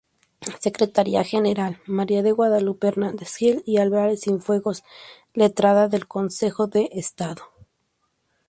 Secretaría general: María de Guadalupe Hernández-Gil y Álvarez-Cienfuegos, letrada del Consejo de Estado.